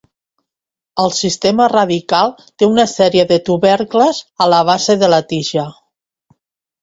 El sistema radical té una sèrie de tubercles a la base de la tija.